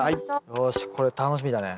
よしこれ楽しみだね。